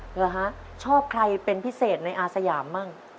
เหรอฮะชอบใครเป็นพิเศษในอาสยามบ้าง